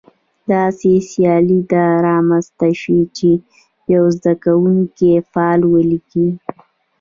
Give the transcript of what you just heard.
داسې سیالي دې رامنځته شي چې یو زده کوونکی فعل ولیکي.